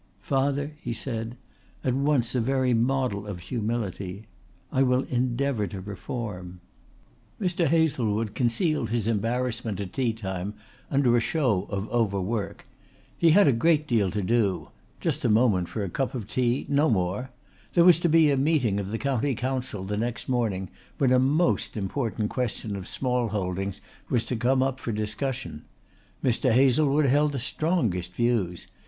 "Father," he said, at once a very model of humility, "I will endeavour to reform." Mr. Hazlewood concealed his embarrassment at teatime under a show of over work. He had a great deal to do just a moment for a cup of tea no more. There was to be a meeting of the County Council the next morning when a most important question of small holdings was to come up for discussion. Mr. Hazlewood held the strongest views.